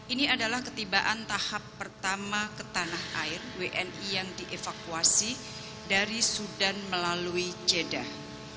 ini adalah ketibaan tahap pertama ke tanah air wni yang dievakuasi dari sudan melalui jeddah